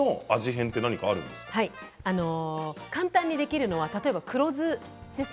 変は簡単にできるのは例えば黒酢です。